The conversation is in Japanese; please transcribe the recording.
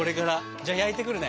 じゃあ焼いてくるね。